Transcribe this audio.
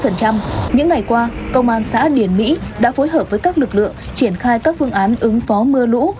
những ngày qua công an xã điển mỹ đã phối hợp với các lực lượng triển khai các phương án ứng phó mưa lũ